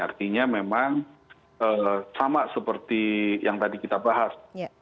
artinya memang sama seperti yang tadi kita bahas